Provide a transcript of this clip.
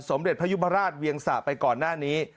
สมเด็จพยุบราชเวียงสะไปก่อนหน้านี้